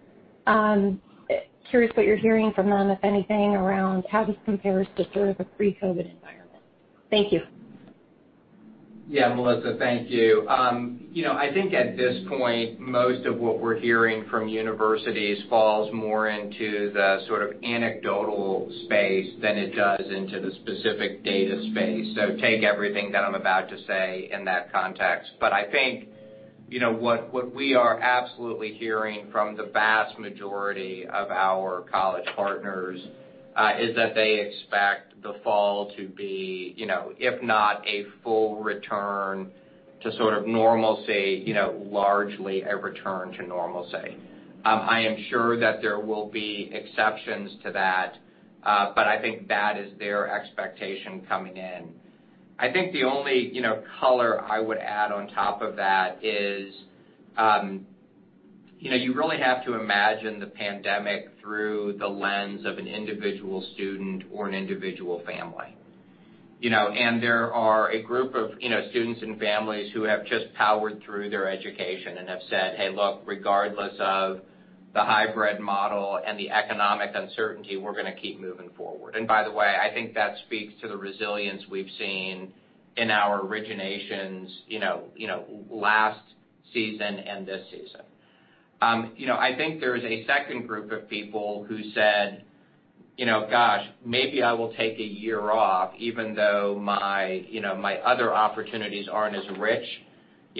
Curious what you're hearing from them, if anything, around how this compares to sort of a pre-COVID environment. Thank you. Melissa, thank you. I think at this point, most of what we're hearing from universities falls more into the sort of anecdotal space than it does into the specific data space. Take everything that I am about to say in that context. I think, what we are absolutely hearing from the vast majority of our college partners, is that they expect the fall to be, if not a full return to sort of normalcy, largely a return to normalcy. I am sure that there will be exceptions to that, but I think that is their expectation coming in. I think the only color I would add on top of that is, you really have to imagine the pandemic through the lens of an individual student or an individual family. There are a group of students and families who have just powered through their education and have said, "Hey, look, regardless of the hybrid model and the economic uncertainty, we're going to keep moving forward." By the way, I think that speaks to the resilience we've seen in our originations last season and this season. I think there is a second group of people who said, "Gosh, maybe I will take a year off, even though my other opportunities aren't as rich,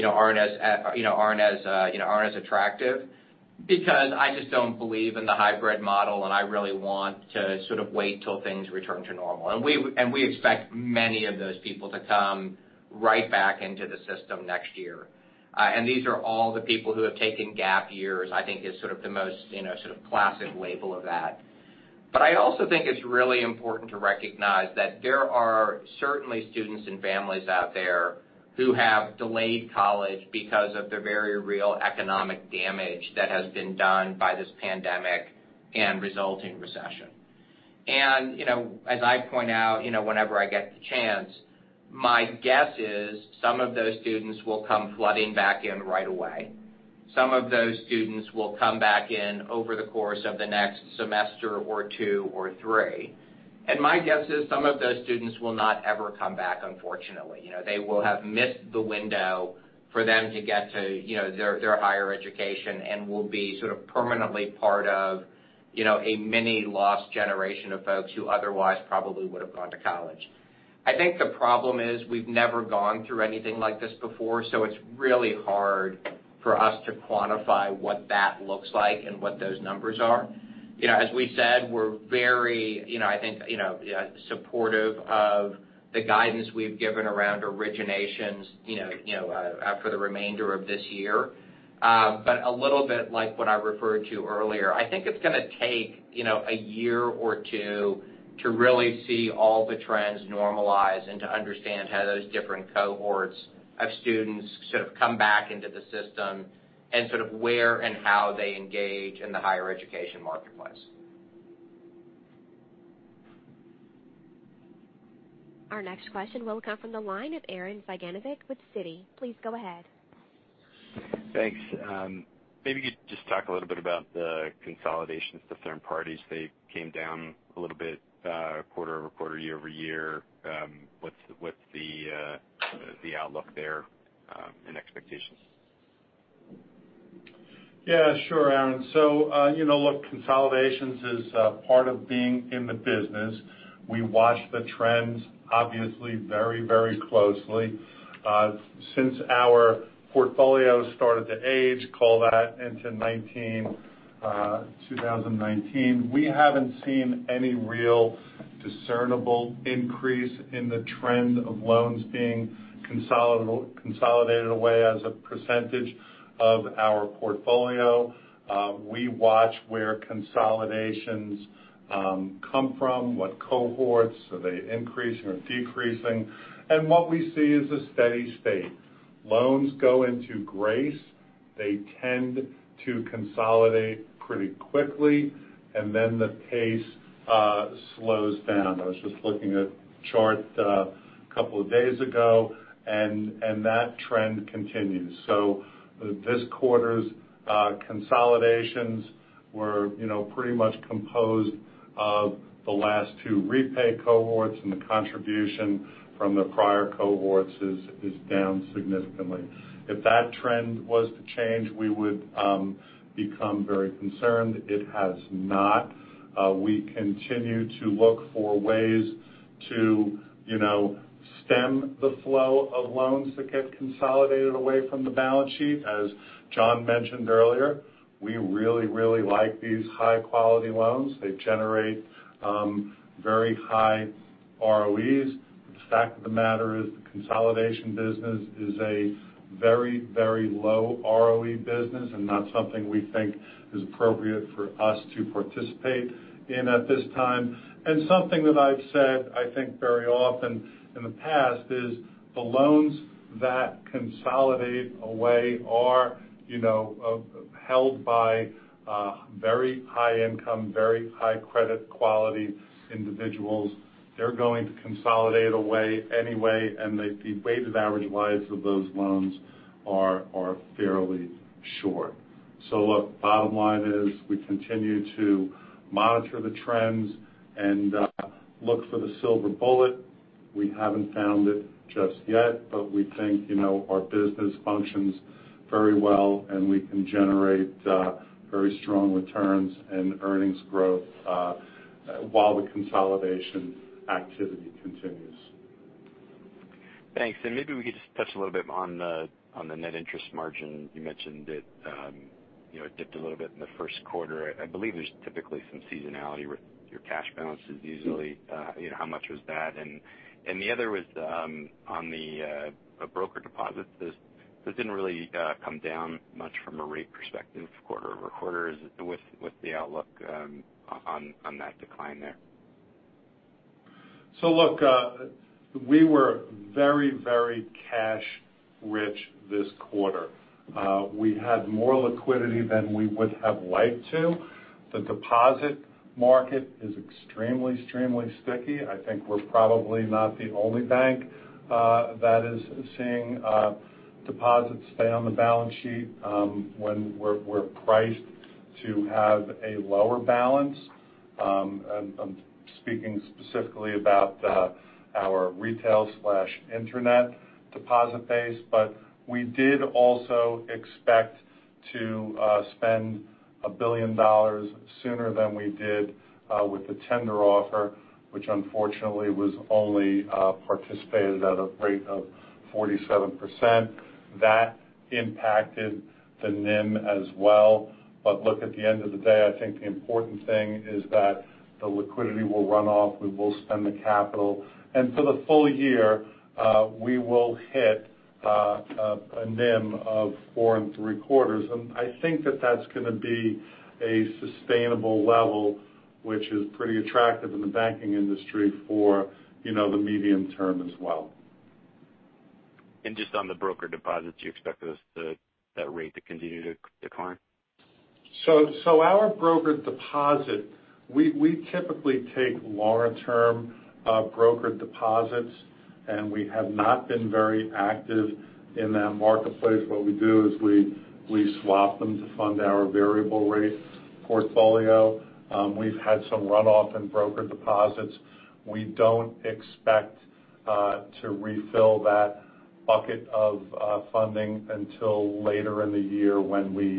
aren't as attractive, because I just don't believe in the hybrid model, and I really want to sort of wait till things return to normal." We expect many of those people to come right back into the system next year. These are all the people who have taken gap years, I think is sort of the most classic label of that. I also think it's really important to recognize that there are certainly students and families out there who have delayed college because of the very real economic damage that has been done by this pandemic and resulting recession. As I point out whenever I get the chance, my guess is some of those students will come flooding back in right away. Some of those students will come back in over the course of the next semester or two or three. My guess is some of those students will not ever come back, unfortunately. They will have missed the window for them to get to their higher education and will be sort of permanently part of a mini lost generation of folks who otherwise probably would've gone to college. I think the problem is we've never gone through anything like this before, so it's really hard for us to quantify what that looks like and what those numbers are. As we said, we're very supportive of the guidance we've given around originations for the remainder of this year. A little bit like what I referred to earlier, I think it's going to take a year or two to really see all the trends normalize and to understand how those different cohorts of students sort of come back into the system and sort of where and how they engage in the higher education marketplace. Our next question will come from the line of Arren Cyganovich with Citi. Please go ahead. Thanks. Maybe you could just talk a little bit about the consolidations to third parties. They came down a little bit quarter-over-quarter, year-over-year. What's the outlook there, and expectations? Yeah, sure, Arren. Look, consolidations is a part of being in the business. We watch the trends obviously very closely. Since our portfolio started to age, call that into 2019, we haven't seen any real discernible increase in the trend of loans being consolidated away as a percentage of our portfolio. We watch where consolidations come from, what cohorts. Are they increasing or decreasing? What we see is a steady state. Loans go into grace. They tend to consolidate pretty quickly, and then the pace slows down. I was just looking at a chart a couple of days ago, and that trend continues. This quarter's consolidations were pretty much composed of the last two repay cohorts, and the contribution from the prior cohorts is down significantly. If that trend was to change, we would become very concerned. It has not. We continue to look for ways to stem the flow of loans that get consolidated away from the balance sheet. As Jon mentioned earlier, we really, really like these high-quality loans. They generate very high ROEs. The fact of the matter is the consolidation business is a very, very low ROE business and not something we think is appropriate for us to participate in at this time. Something that I've said, I think very often in the past is the loans that consolidate away are held by very high income, very high credit quality individuals. They're going to consolidate away anyway, and the weighted average lives of those loans are fairly short. Look, bottom line is we continue to monitor the trends and look for the silver bullet. We haven't found it just yet, but we think our business functions very well, and we can generate very strong returns and earnings growth while the consolidation activity continues. Thanks. Maybe we could just touch a little bit on the net interest margin. You mentioned it dipped a little bit in the first quarter. I believe there's typically some seasonality with your cash balances usually. How much was that? The other was on the broker deposits. This didn't really come down much from a rate perspective quarter-over-quarter. What's the outlook on that decline there? Look, we were very, very cash rich this quarter. We had more liquidity than we would have liked to. The deposit market is extremely sticky. I think we're probably not the only bank that is seeing deposits stay on the balance sheet when we're priced to have a lower balance. I'm speaking specifically about our retail/internet deposit base. We did also expect to spend $1 billion sooner than we did with the tender offer, which unfortunately was only participated at a rate of 47%. That impacted the NIM as well. Look, at the end of the day, I think the important thing is that the liquidity will run off. We will spend the capital. For the full year, we will hit a NIM of 4.75%. I think that that's going to be a sustainable level, which is pretty attractive in the banking industry for the medium term as well. Just on the broker deposits, you expect that rate to continue to decline? Our broker deposit, we typically take longer-term brokered deposits, and we have not been very active in that marketplace. What we do is we swap them to fund our variable rate portfolio. We've had some runoff in broker deposits. We don't expect to refill that bucket of funding until later in the year when we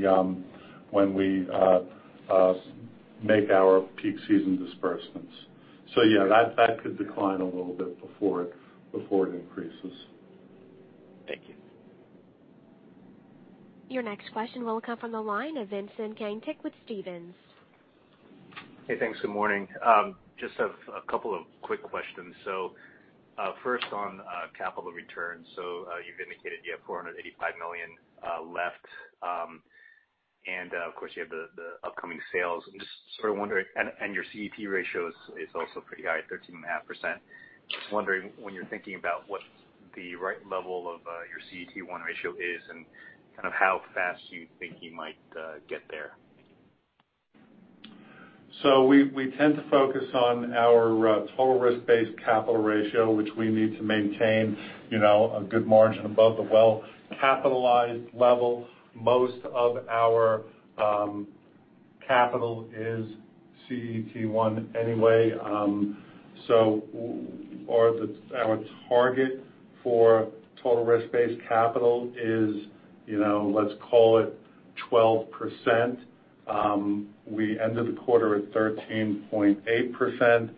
make our peak season disbursements. Yeah, that could decline a little bit before it increases. Thank you. Your next question will come from the line of Vincent Caintic with Stephens. Hey, thanks. Good morning. Just have a couple of quick questions. First on capital returns. You've indicated you have $485 million left. Of course, you have the upcoming sales. Your CET ratio is also pretty high at 13.5%. Just wondering when you're thinking about what the right level of your CET1 ratio is and kind of how fast you think you might get there. We tend to focus on our total risk-based capital ratio, which we need to maintain a good margin above the well-capitalized level. Most of our capital is CET1 anyway. Our target for total risk-based capital is, let's call it 12%. We ended the quarter at 13.8%.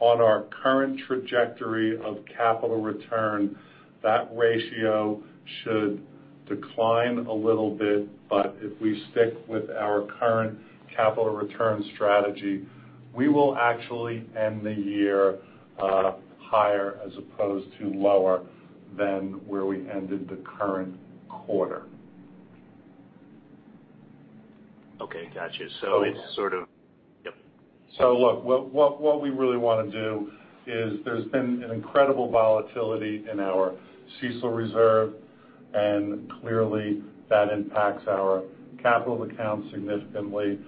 On our current trajectory of capital return, that ratio should decline a little bit, but if we stick with our current capital return strategy, we will actually end the year higher as opposed to lower than where we ended the current quarter. Okay. Got you. Yep. Look, what we really want to do is there's been an incredible volatility in our CECL reserve, and clearly, that impacts our capital accounts significantly.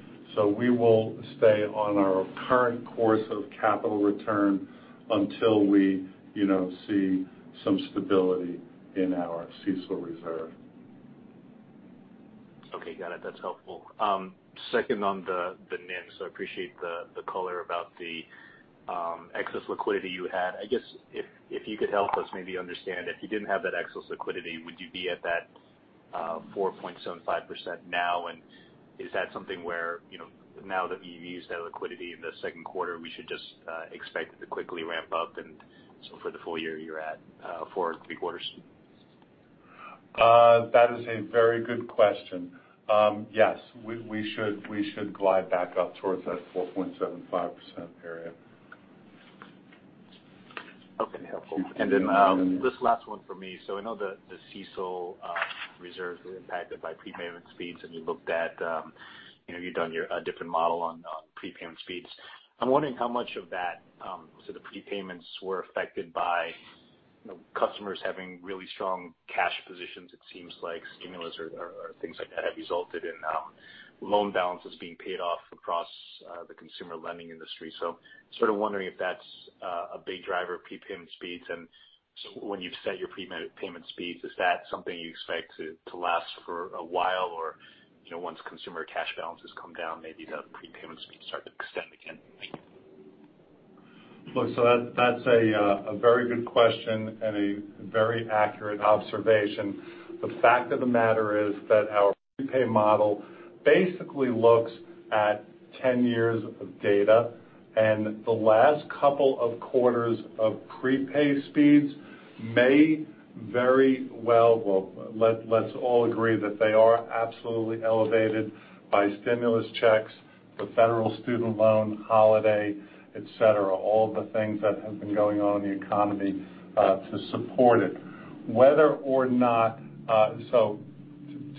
We will stay on our current course of capital return until we see some stability in our CECL reserve. Okay. Got it. That's helpful. Second on the NIM. I appreciate the color about the excess liquidity you had. I guess if you could help us maybe understand, if you didn't have that excess liquidity, would you be at that 4.75% now? Is that something where now that you've used that liquidity in the second quarter, we should just expect it to quickly ramp up, and so for the full year, you're at 4.75%? That is a very good question. Yes. We should glide back up towards that 4.75% area. Okay. Helpful. This last one for me. I know the CECL reserve is impacted by prepayment speeds, and you've done your different model on prepayment speeds. I'm wondering how much of that, so the prepayments were affected by customers having really strong cash positions. It seems like stimulus or things like that have resulted in loan balances being paid off across the consumer lending industry. Sort of wondering if that's a big driver of prepayment speeds. When you've set your prepayment speeds, is that something you expect to last for a while? Or once consumer cash balances come down, maybe the prepayment speeds start to extend again. Thank you. Look, that's a very good question and a very accurate observation. The fact of the matter is that our prepay model basically looks at 10 years of data, and the last couple of quarters of prepay speeds may very well, let's all agree that they are absolutely elevated by stimulus checks, the federal student loan holiday, et cetera, all the things that have been going on in the economy, to support it.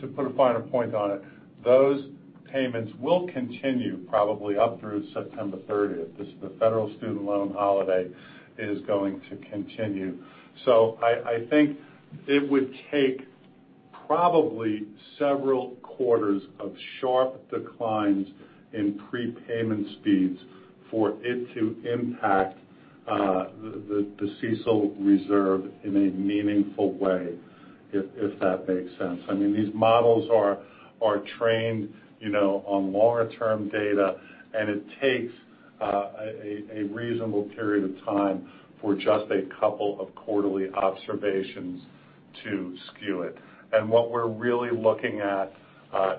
To put a finer point on it, those payments will continue probably up through September 30th. The federal student loan holiday is going to continue. I think it would take probably several quarters of sharp declines in prepayment speeds for it to impact the CECL reserve in a meaningful way, if that makes sense. These models are trained on longer-term data, and it takes a reasonable period of time for just a couple of quarterly observations to skew it. What we're really looking at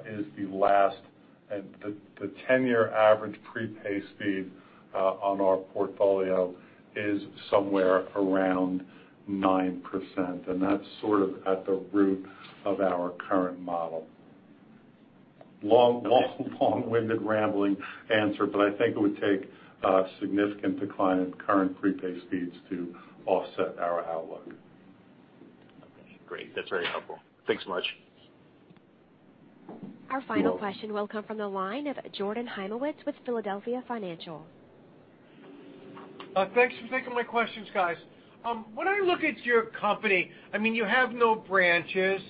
is the 10-year average prepay speed on our portfolio is somewhere around 9%, and that's sort of at the root of our current model. Long-winded, rambling answer, I think it would take a significant decline in current prepay speeds to offset our outlook. Okay, great. That's very helpful. Thanks so much. Our final question will come from the line of Jordan Hymowitz with Philadelphia Financial. Thanks for taking my questions, guys. When I look at your company, you have no branches,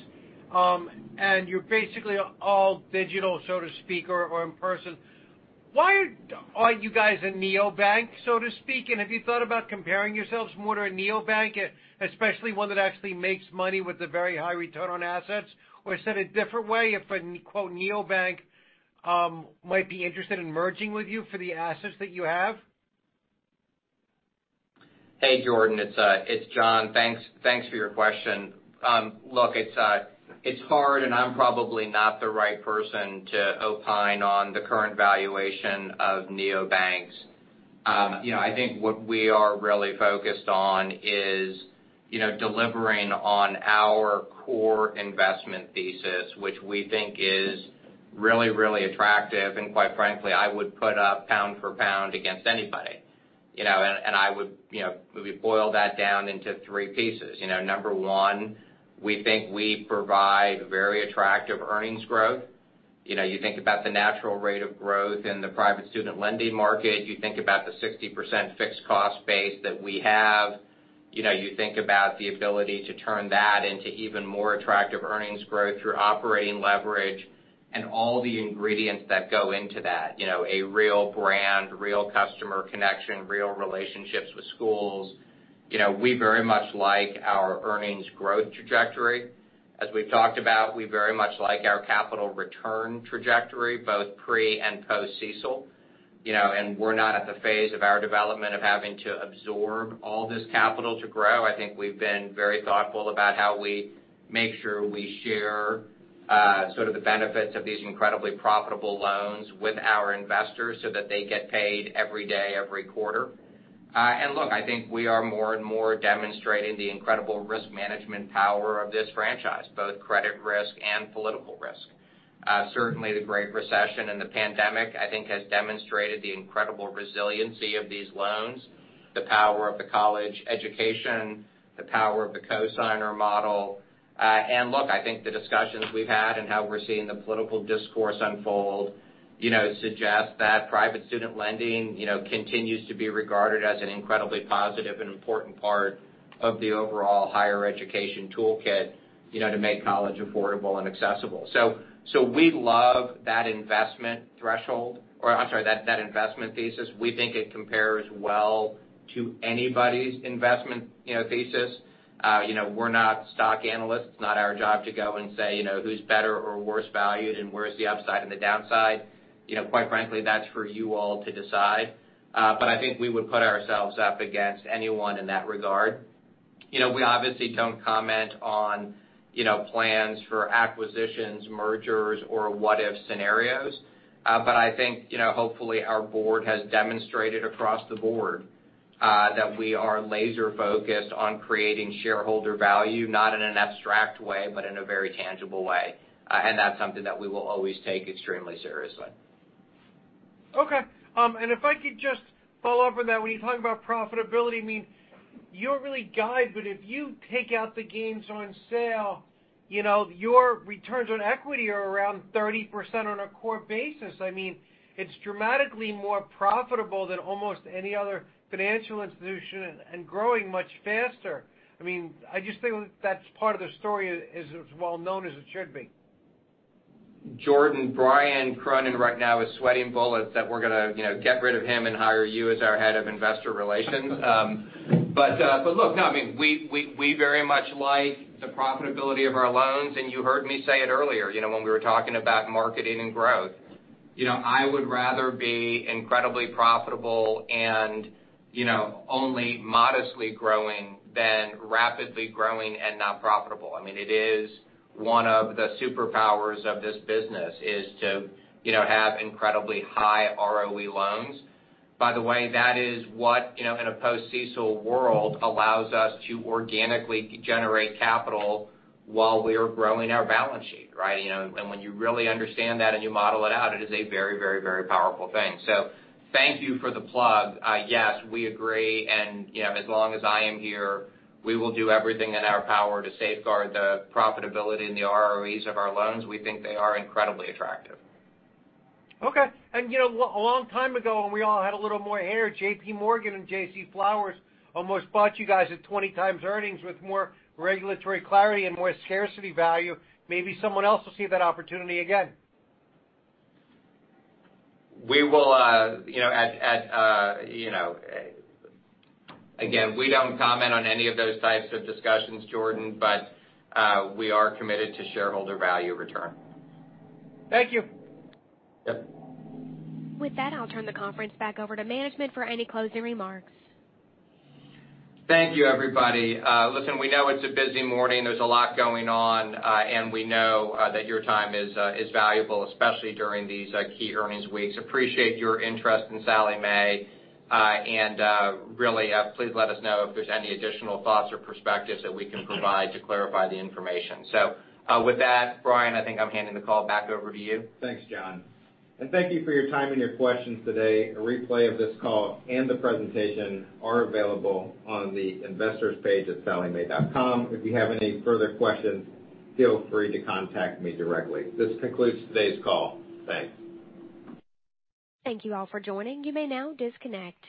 and you're basically all digital, so to speak, or in-person. Why aren't you guys a neobank, so to speak, and have you thought about comparing yourselves more to a neobank, especially one that actually makes money with a very high return on assets? Said a different way, if a, quote, "neobank" might be interested in merging with you for the assets that you have? Hey, Jordan, it's Jon. Thanks for your question. Look, it's hard, and I'm probably not the right person to opine on the current valuation of neobanks. I think what we are really focused on is delivering on our core investment thesis, which we think is really, really attractive. Quite frankly, I would put up pound for pound against anybody. We boil that down into three pieces. Number one, we think we provide very attractive earnings growth. You think about the natural rate of growth in the private student lending market. You think about the 60% fixed cost base that we have. You think about the ability to turn that into even more attractive earnings growth through operating leverage and all the ingredients that go into that. A real brand, real customer connection, real relationships with schools. We very much like our earnings growth trajectory. As we've talked about, we very much like our capital return trajectory, both pre and post CECL. We're not at the phase of our development of having to absorb all this capital to grow. I think we've been very thoughtful about how we make sure we share sort of the benefits of these incredibly profitable loans with our investors so that they get paid every day, every quarter. Look, I think we are more and more demonstrating the incredible risk management power of this franchise, both credit risk and political risk. Certainly, the Great Recession and the pandemic, I think, has demonstrated the incredible resiliency of these loans, the power of the college education, the power of the cosigner model. Look, I think the discussions we've had and how we're seeing the political discourse unfold suggest that private student lending continues to be regarded as an incredibly positive and important part of the overall higher education toolkit to make college affordable and accessible. We love that investment thesis. We think it compares well to anybody's investment thesis. We're not stock analysts. It's not our job to go and say who's better or worse valued and where is the upside and the downside. Quite frankly, that's for you all to decide. I think we would put ourselves up against anyone in that regard. We obviously don't comment on plans for acquisitions, mergers, or what-if scenarios. I think, hopefully, our board has demonstrated across the board that we are laser-focused on creating shareholder value, not in an abstract way, but in a very tangible way. That's something that we will always take extremely seriously. Okay. If I could just follow up on that. When you talk about profitability, you don't really guide, but if you take out the gains on sale, your returns on equity are around 30% on a core basis. It's dramatically more profitable than almost any other financial institution and growing much faster. I just think that part of the story is as well-known as it should be. Jordan, Brian Cronin right now is sweating bullets that we're going to get rid of him and hire you as our head of investor relations. Look, no. We very much like the profitability of our loans, and you heard me say it earlier when we were talking about marketing and growth. I would rather be incredibly profitable and only modestly growing than rapidly growing and not profitable. It is one of the superpowers of this business, is to have incredibly high ROE loans. By the way, that is what, in a post-CECL world, allows us to organically generate capital while we are growing our balance sheet, right? When you really understand that and you model it out, it is a very powerful thing. Thank you for the plug. Yes, we agree, and as long as I am here, we will do everything in our power to safeguard the profitability and the ROEs of our loans. We think they are incredibly attractive. Okay. A long time ago, when we all had a little more hair, JPMorgan and J.C. Flowers almost bought you guys at 20 times earnings with more regulatory clarity and more scarcity value. Maybe someone else will see that opportunity again. We don't comment on any of those types of discussions, Jordan, but we are committed to shareholder value return. Thank you. Yep. With that, I'll turn the conference back over to management for any closing remarks. Thank you, everybody. Listen, we know it's a busy morning. There's a lot going on, and we know that your time is valuable, especially during these key earnings weeks. Appreciate your interest in Sallie Mae. Really, please let us know if there's any additional thoughts or perspectives that we can provide to clarify the information. With that, Brian, I think I'm handing the call back over to you. Thanks, Jon. Thank you for your time and your questions today. A replay of this call and the presentation are available on the investors page at salliemae.com. If you have any further questions, feel free to contact me directly. This concludes today's call. Thanks. Thank you all for joining. You may now disconnect.